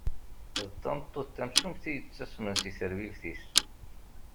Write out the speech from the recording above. D tameṭṭut tamcumt i yettassmen si tarbibt-is.